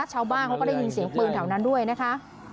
ชาวบ้านเขาก็ได้ยินเสียงปืนแถวนั้นด้วยนะคะ